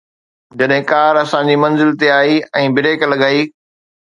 جڏهن ڪار اسان جي منزل تي آئي ۽ بريڪ لڳائي